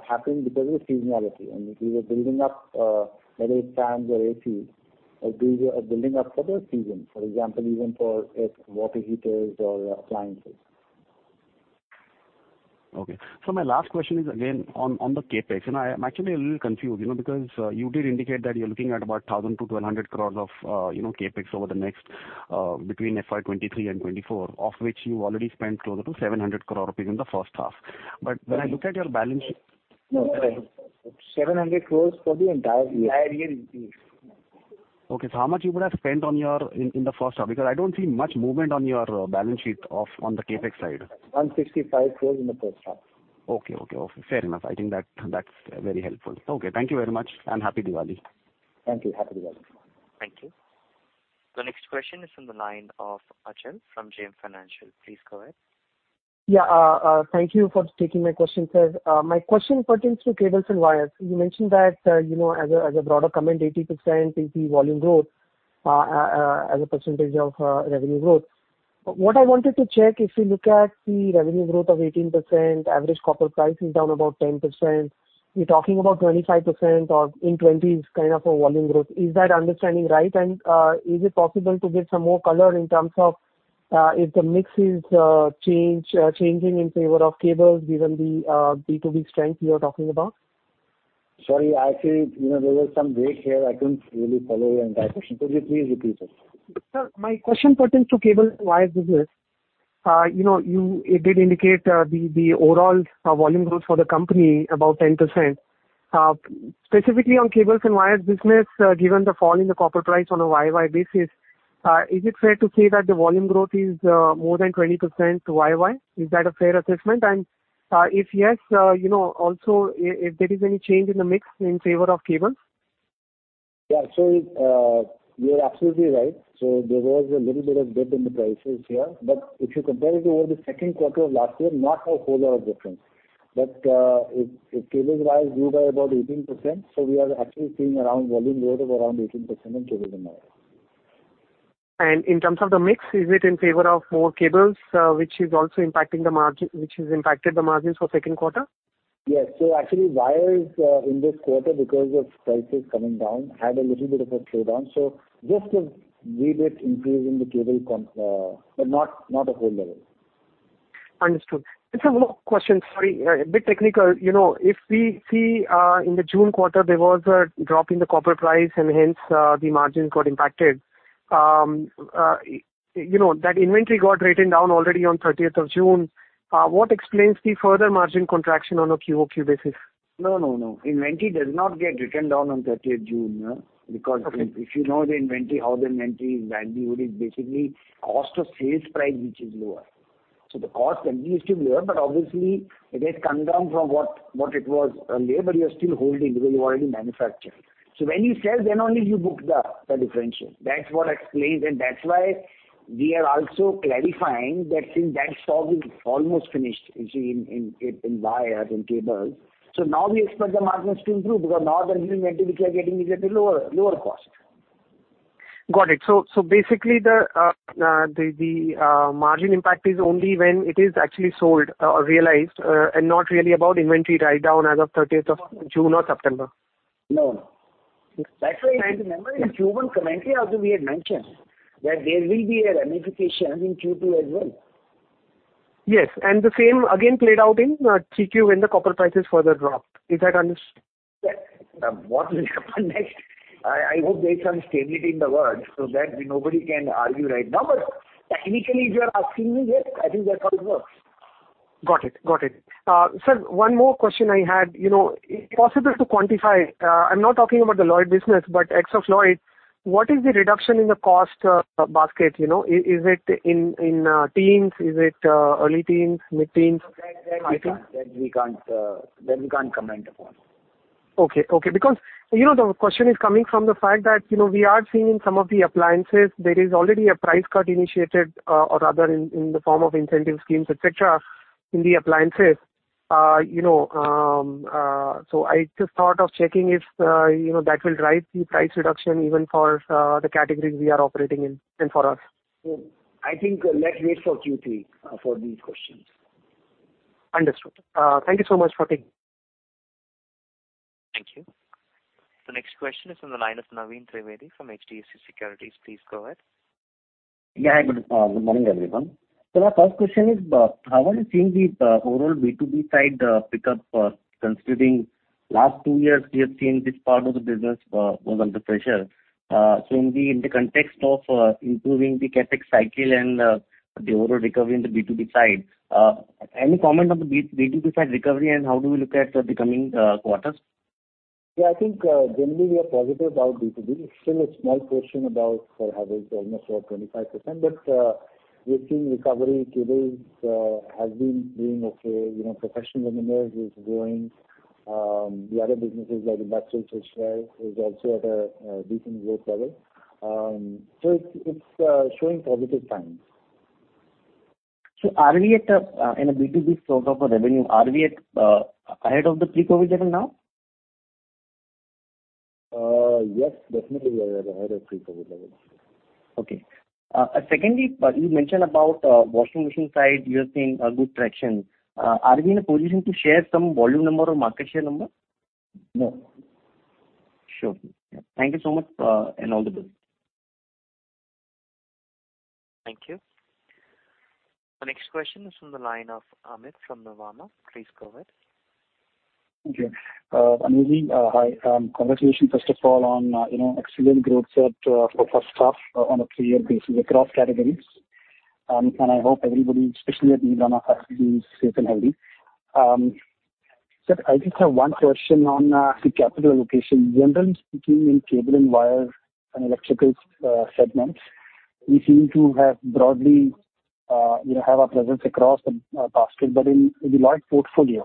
happened because of the seasonality and we were building up, whether it's fans or ACs, building up for the season, for example, even for water heaters or appliances. Okay. My last question is again on the CapEx. I am actually a little confused, you know, because you did indicate that you're looking at about 1,000-1,200 crores of CapEx over the next between FY 2023 and 2024, of which you already spent closer to 700 crore rupees in the first half. When I look at your balance sheet. No, sorry. 700 crore for the entire year. Okay. How much you would have spent on your in the first half? Because I don't see much movement on your balance sheet on the CapEx side. 165 crore in the first half. Okay. Fair enough. I think that's very helpful. Okay, thank you very much and happy Diwali. Thank you. Happy Diwali. Thank you. The next question is from the line of Achal from JM Financial. Please go ahead. Yeah. Thank you for taking my question, sir. My question pertains to cables and wires. You mentioned that, you know, as a broader comment, 80% is the volume growth, as a percentage of, revenue growth. What I wanted to check, if you look at the revenue growth of 18%, average copper price is down about 10%. You're talking about 25% or in twenties kind of a volume growth. Is that understanding right? Is it possible to give some more color in terms of, if the mix is changing in favor of cables given the, B2B strength you are talking about? Sorry, I think, you know, there was some break here. I couldn't really follow your entire question. Could you please repeat it? Sir, my question pertains to cables and wires business. You know, it did indicate the overall volume growth for the company about 10%. Specifically on cables and wires business, given the fall in the copper price on a Y-Y basis, is it fair to say that the volume growth is more than 20% Y-Y? Is that a fair assessment? If yes, you know, also if there is any change in the mix in favor of cables? You're absolutely right. There was a little bit of dip in the prices, yeah. If you compare it over the second quarter of last year, not a whole lot of difference. Cables & Wires grew by about 18%, so we are actually seeing around volume growth of around 18% in cables and wires. In terms of the mix, is it in favor of more cables, which has impacted the margins for second quarter? Yes. Actually, wires in this quarter, because of prices coming down, had a little bit of a slowdown. Just a wee bit increase in the C&W, but not a whole level. Understood. Just one more question. Sorry, a bit technical. You know, if we see in the June quarter, there was a drop in the copper price, and hence the margins got impacted. You know, that inventory got written down already on thirtieth of June. What explains the further margin contraction on a QOQ basis? No, no. Inventory does not get written down on thirtieth June. Because Okay. If you know the inventory, how the inventory is valued, it is basically cost or sales price, which is lower. The cost continues to be lower, but obviously it has come down from what it was earlier, but you're still holding because you've already manufactured. When you sell, then only you book the differential. That's what explains and that's why we are also clarifying that since that stock is almost finished, you see, in wire, in cables. Now we expect the margins to improve because now the new inventory which we are getting is at a lower cost. Got it. Basically the margin impact is only when it is actually sold or realized, and not really about inventory write down as of thirtieth of June or September. No. That's why you have to remember in Q1 commentary also we had mentioned that there will be a ramification in Q2 as well. Yes. The same again played out in 3Q when the copper prices further dropped. Yeah. What will happen next? I hope there's some stability in the world so that nobody can argue right now. Technically, if you are asking me, yes, I think that's how it works. Got it. Sir, one more question I had. You know, is it possible to quantify, I'm not talking about the Lloyd business, but ex of Lloyd, what is the reduction in the cost basket, you know? Is it in teens? Is it early teens, mid-teens? That we can't comment upon. Okay, okay. Because you know, the question is coming from the fact that you know, we are seeing in some of the appliances there is already a price cut initiated, or rather in the form of incentive schemes, et cetera, in the appliances. You know, I just thought of checking if you know, that will drive the price reduction even for the categories we are operating in and for us. I think, let's wait for Q3 for these questions. Understood. Thank you so much for taking- Thank you. The next question is from the line of Naveen Trivedi from HDFC Securities. Please go ahead. Yeah. Good morning, everyone. My first question is, how are you seeing the overall B2B side pick up, considering last two years we have seen this part of the business was under pressure. In the context of improving the CapEx cycle and the overall recovery in the B2B side, any comment on the B2B side recovery and how do we look at the coming quarters? Yeah, I think generally we are positive about B2B. It's still a small portion about having almost 25%. We're seeing recovery. Cables has been doing okay. You know, professional luminaires is growing. The other businesses like the industrial switchgear is also at a decent growth level. It's showing positive signs. Are we at a high in B2B sort of a revenue ahead of the pre-COVID level now? Yes, definitely we are ahead of pre-COVID levels. Okay. Secondly, you mentioned about washing machine side, you are seeing good traction. Are we in a position to share some volume number or market share number? No. Sure. Thank you so much, and all the best. Thank you. The next question is from the line of Amit from Nirvana. Please go ahead. Thank you. Anuj, hi. Congratulations, first of all, on, you know, excellent growth set, for first half on a three-year basis across categories. I hope everybody, especially at Vedanta, are safe and healthy. Sir, I just have one question on the capital allocation. Generally speaking, in cable and wire and electrical segments, we seem to have broadly, you know, our presence across the basket. But in the Lloyd portfolio,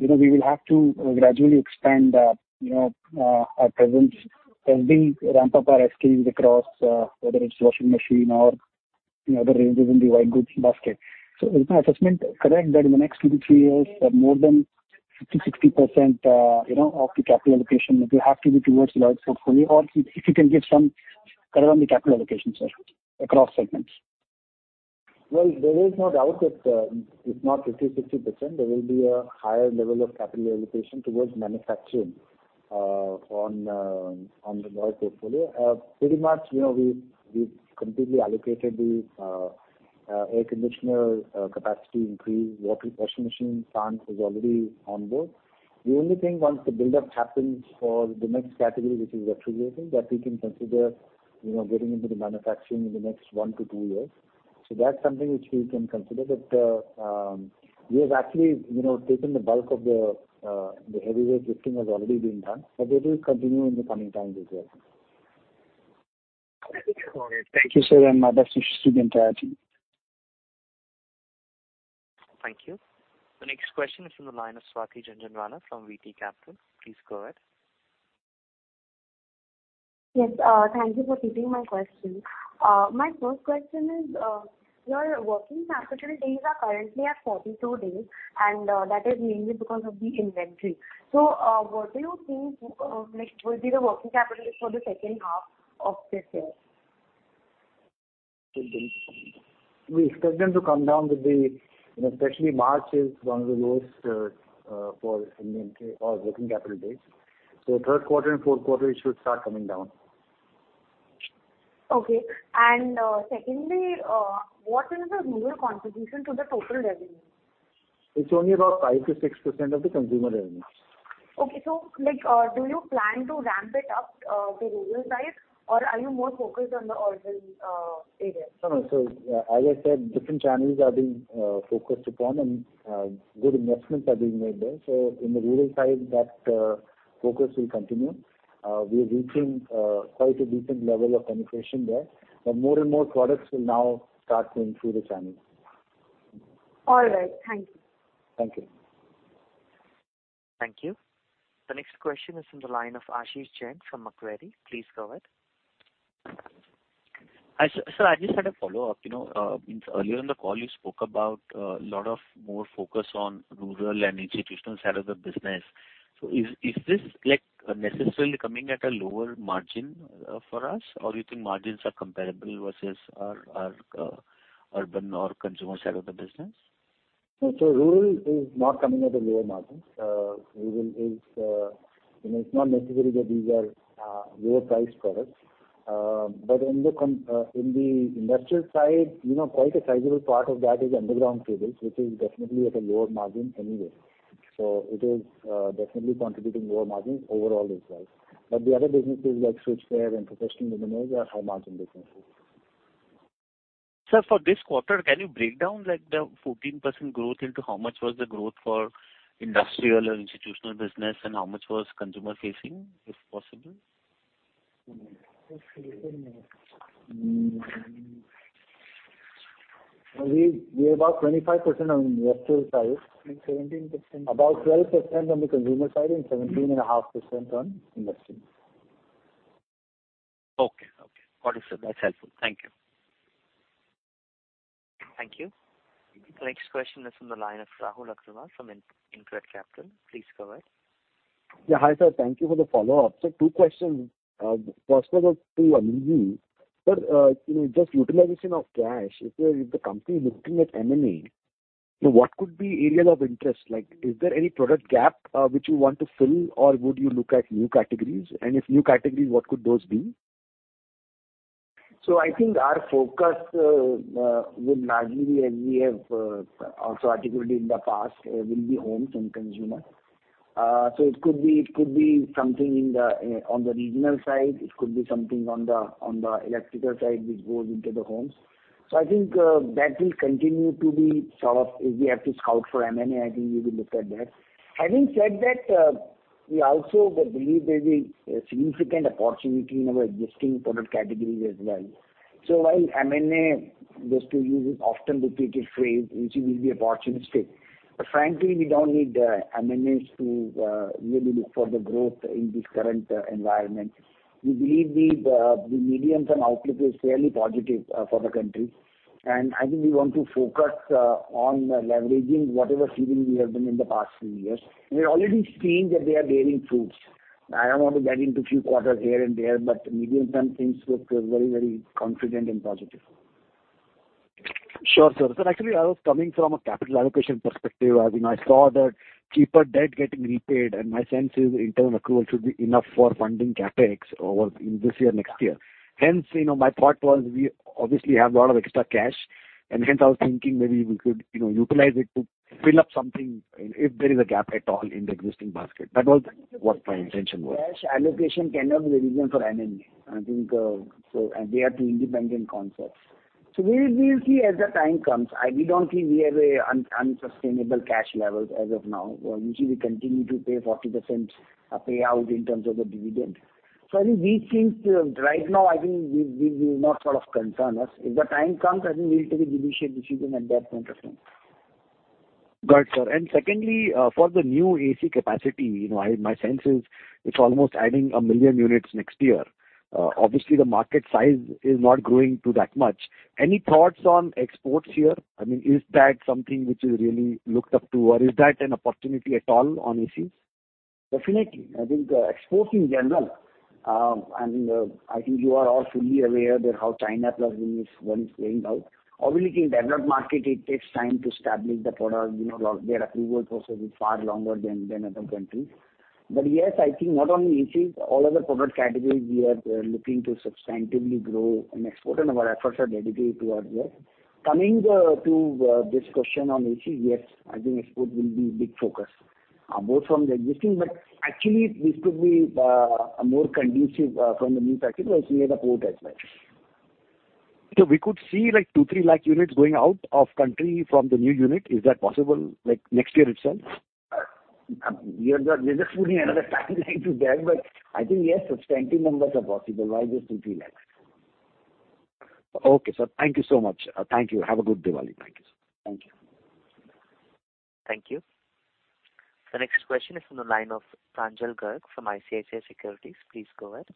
you know, we will have to gradually expand, you know, our presence as we ramp up our SKUs across whether it's washing machine or, you know, other ranges in the white goods basket. Is my assessment correct that in the next two-three years that more than 50-60% of the capital allocation will have to be towards Lloyd portfolio? If you can give some color on the capital allocation, sir, across segments. Well, there is no doubt that if not 50-60%, there will be a higher level of capital allocation towards manufacturing on the Lloyd portfolio. Pretty much, you know, we've completely allocated the air conditioner capacity increase, washing machine plant is already on board. The only thing once the buildup happens for the next category, which is refrigeration, that we can consider, you know, getting into the manufacturing in the next one-two years. So that's something which we can consider. But we have actually, you know, taken the bulk of the heavy lifting has already been done, but it will continue in the coming times as well. Thank you, sir, and best wishes to the entire team. Thank you. The next question is from the line of Swati Jhunjhunwala from VT Capital. Please go ahead. Yes, thank you for taking my question. My first question is, your working capital days are currently at 42 days, and that is mainly because of the inventory. What do you think, like, will be the working capital for the second half of this year? We expect them to come down. You know, especially March is one of the lowest for NWC or working capital days. Third quarter and fourth quarter, it should start coming down. Okay. Secondly, what is the rural contribution to the total revenue? It's only about 5%-6% of the consumer revenue. Okay. Like, do you plan to ramp it up, the rural side? Or are you more focused on the urban, area? No, no. As I said, different channels are being focused upon and good investments are being made there. In the rural side, that focus will continue. We are reaching quite a decent level of penetration there, but more and more products will now start going through the channels. All right. Thank you. Thank you. Thank you. The next question is from the line of Ashish Jain from Macquarie. Please go ahead. Sir, I just had a follow-up. You know, earlier in the call you spoke about a lot more focus on rural and institutional side of the business. Is this, like, necessarily coming at a lower margin for us? Or you think margins are comparable versus our urban or consumer side of the business? No. Rural is not coming at a lower margin. Rural is, you know, it's not necessarily that these are lower-priced products. In the industrial side, you know, quite a sizable part of that is underground cables, which is definitely at a lower margin anyway. It is definitely contributing lower margins overall as well. The other businesses like switchgear and professional luminaires are high-margin businesses. Sir, for this quarter, can you break down, like, the 14% growth into how much was the growth for industrial or institutional business and how much was consumer facing, if possible? We are about 25% on industrial side. 17%. About 12% on the consumer side and 17.5% on industrial. Okay. Got it, sir. That's helpful. Thank you. Thank you. The next question is from the line of Rahul Agarwal from InCred Capital. Please go ahead. Yeah. Hi, sir. Thank you for the follow-up. Two questions. First one is to Anuj. Sir, you know, just utilization of cash, if the company is looking at M and A, so what could be areas of interest? Like, is there any product gap, which you want to fill, or would you look at new categories? And if new categories, what could those be? I think our focus would largely, as we have also articulated in the past, will be homes and consumer. It could be something in the on the regional side. It could be something on the electrical side which goes into the homes. I think that will continue to be sort of if we have to scout for M and A, I think we will look at that. Having said that, we also believe there is a significant opportunity in our existing product categories as well. While M and A, just to use an often repeated phrase, which will be opportunistic, but frankly, we don't need M and As to really look for the growth in this current environment. We believe the medium and outlook is fairly positive for the country. I think we want to focus on leveraging whatever seeding we have done in the past few years. We are already seeing that they are bearing fruits. I don't want to get into few quarters here and there, but medium term things look very confident and positive. Sure, sir. Actually I was coming from a capital allocation perspective. As you know, I saw the cheaper debt getting repaid, and my sense is internal accrual should be enough for funding CapEx over in this year, next year. Hence, you know, my thought was we obviously have a lot of extra cash, and hence I was thinking maybe we could, you know, utilize it to fill up something if there is a gap at all in the existing basket. That was what my intention was. Cash allocation cannot be the reason for M and A. I think so. They are two independent concepts. We will see as the time comes. We don't think we have unsustainable cash levels as of now. Usually we continue to pay 40% payout in terms of the dividend. I think these things right now, I think these will not sort of concern us. If the time comes, I think we'll take a deliberate decision at that point of time. Got it, sir. Secondly, for the new AC capacity, you know, my sense is it's almost adding 1 million units next year. Obviously the market size is not growing to that much. Any thoughts on exports here? I mean, is that something which is really looked up to, or is that an opportunity at all on ACs? Definitely. I think, exports in general, and I think you are all fully aware of how China plus one business is playing out. Obviously, in developed market it takes time to establish the product. You know, their approval process is far longer than other countries. Yes, I think not only ACs, all other product categories we are looking to substantively grow and export, and our efforts are dedicated towards that. Coming to this question on AC, yes, I think export will be big focus, both from the existing. Actually this could be a more conducive from the new factory as we have a port as well. So we could see like two-three lakh units going out of country from the new unit. Is that possible, like, next year itself? We're just putting another timeline to that, but I think, yes, substantive numbers are possible. Why just 2-3 lakhs? Okay, sir. Thank you so much. Thank you. Have a good Diwali. Thank you, sir. Thank you. Thank you. The next question is from the line of Pranjal Garg from ICICI Securities. Please go ahead.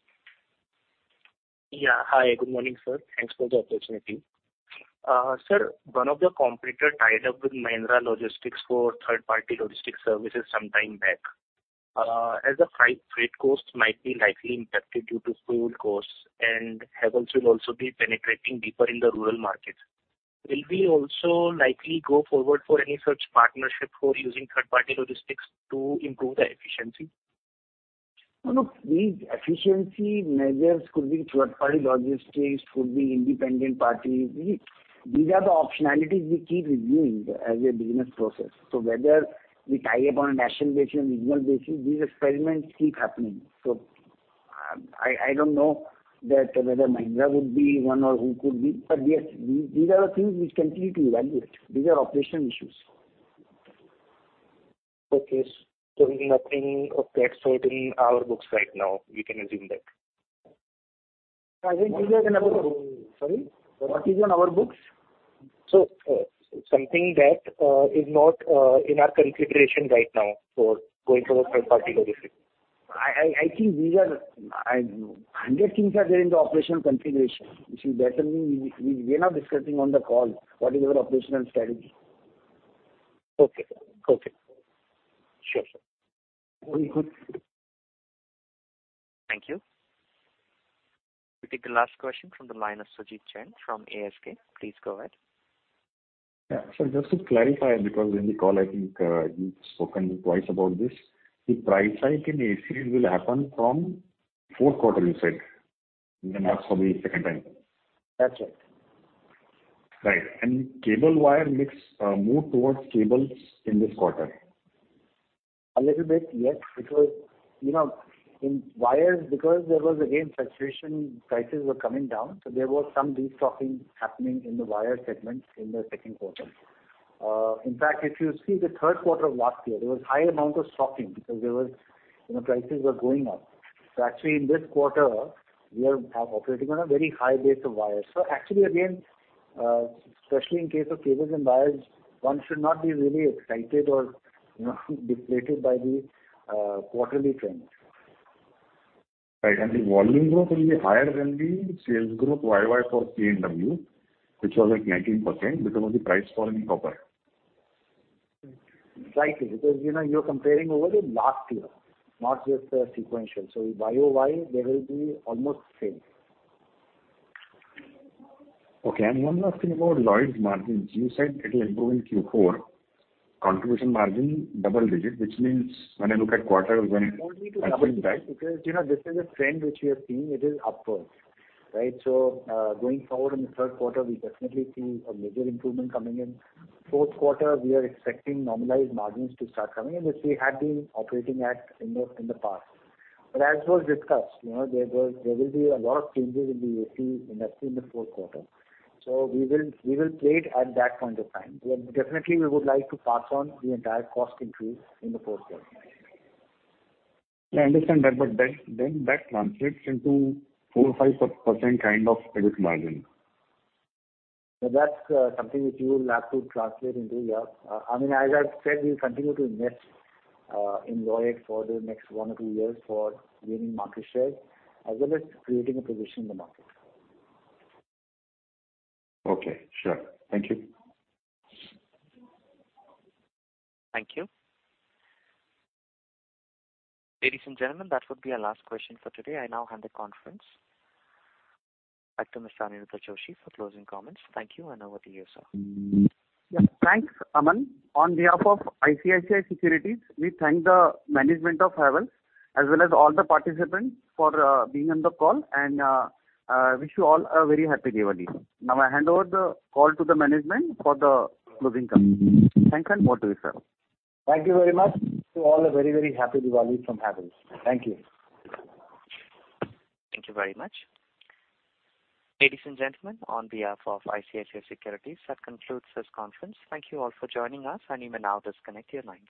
Yeah. Hi, good morning, sir. Thanks for the opportunity. Sir, one of your competitor tied up with Mahindra Logistics for third-party logistics services sometime back. As freight costs might be likely impacted due to fuel costs and Havells will also be penetrating deeper in the rural markets, will we also likely go forward for any such partnership for using third-party logistics to improve the efficiency? No, no. These efficiency measures could be third-party logistics, could be independent parties. These are the optionalities we keep reviewing as a business process. Whether we tie up on a national basis or regional basis, these experiments keep happening. I don't know whether Mahindra would be one or who could be, but yes, these are the things we continue to evaluate. These are operational issues. Okay. Nothing of that sort in our books right now, we can assume that. I think these are in our books. Sorry? What is on our books? Something that is not in our consideration right now for going for a third-party logistics. I think these are a hundred things that are there in the operational configuration, which we are definitely not discussing on the call, what is our operational strategy. Okay. Sure, sir. Very good. Thank you. We take the last question from the line of Sumit Jain from ASK. Please go ahead. Yeah. Just to clarify, because in the call, I think, you've spoken twice about this. The price hike in ACs will happen from fourth quarter, you said, when asked for the second time. That's right. Right. Cable & wire mix moved towards cables in this quarter. A little bit, yes, because, you know, in wires because there was again saturation, prices were coming down, so there was some destocking happening in the wire segment in the second quarter. In fact, if you see the third quarter of last year, there was high amount of stocking because there was, you know, prices were going up. Actually in this quarter we are operating on a very high base of wires. Actually again, especially in case of cables and wires, one should not be really excited or, you know, deflated by the quarterly trend. Right. The volume growth will be higher than the sales growth YOY for C&W, which was at 19% because of the price fall in copper. Right. Because, you know, you're comparing over the last year, not just the sequential. YoY they will be almost same. Okay. One last thing about Lloyd's margins. You said it will improve in Q4, contribution margin double-digit, which means when I look at quarter one. I won't give you double digit because, you know, this is a trend which we have seen. It is upwards, right? Going forward in the third quarter, we definitely see a major improvement coming in. Fourth quarter, we are expecting normalized margins to start coming in, which we had been operating at in the past. As was discussed, you know, there will be a lot of changes in the AC industry in the fourth quarter. We will play it at that point of time. Definitely we would like to pass on the entire cost increase in the fourth quarter. Yeah, I understand that. That translates into 4%-5% kind of EBIT margin. That's something which you will have to translate into. Yeah. I mean, as I've said, we'll continue to invest in Lloyd for the next one or two years for gaining market share as well as creating a position in the market. Okay. Sure. Thank you. Thank you. Ladies and gentlemen, that would be our last question for today. I now hand the conference back to Mr. Aniruddha Joshi for closing comments. Thank you and over to you, sir. Yeah, thanks, Aman. On behalf of ICICI Securities, we thank the management of Havells as well as all the participants for being on the call, and wish you all a very happy Diwali. Now I hand over the call to the management for the closing comments. Thanks and over to you, sir. Thank you very much. Wish you all a very, very happy Diwali from Havells. Thank you. Thank you very much. Ladies and gentlemen, on behalf of ICICI Securities, that concludes this conference. Thank you all for joining us and you may now disconnect your lines.